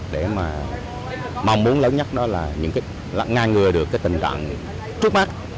để mà mong muốn lớn nhất đó là ngang ngừa được tình trạng trước mắt